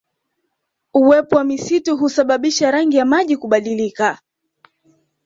Uwepo wa misitu husababisha rangi ya maji kubadilika